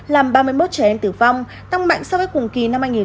làm ba mươi một trẻ em tử vong tăng mạnh so với cùng kỳ năm hai nghìn một mươi tám